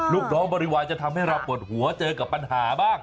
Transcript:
ลูกน้องบริวารจะทำให้เราปวดหัวเจอกับปัญหาบ้าง